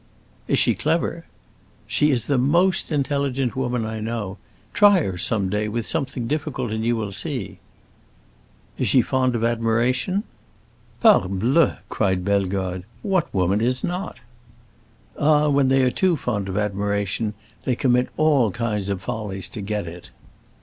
"Is she clever?" "She is the most intelligent woman I know. Try her, some day, with something difficult, and you will see." "Is she fond of admiration?" "Parbleu!" cried Bellegarde; "what woman is not?" "Ah, when they are too fond of admiration they commit all kinds of follies to get it."